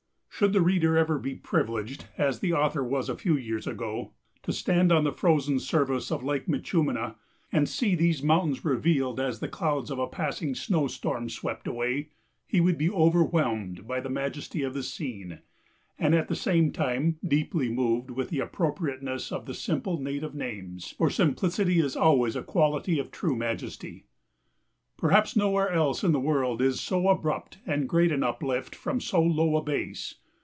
Should the reader ever be privileged, as the author was a few years ago, to stand on the frozen surface of Lake Minchúmina and see these mountains revealed as the clouds of a passing snow storm swept away, he would be overwhelmed by the majesty of the scene and at the same time deeply moved with the appropriateness of the simple native names; for simplicity is always a quality of true majesty. Perhaps nowhere else in the world is so abrupt and great an uplift from so low a base.